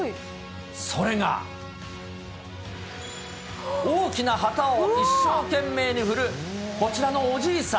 それが、大きな旗を一生懸命に振るこちらのおじいさん。